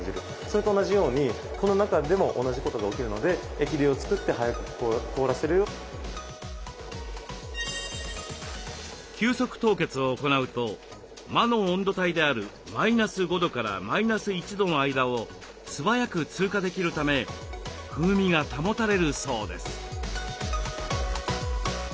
それと同じようにこの中でも同じことが起きるので急速凍結を行うと魔の温度帯であるマイナス５度からマイナス１度の間を素早く通過できるため風味が保たれるそうです。